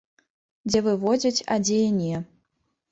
Дзе вывозяць, а дзе і не.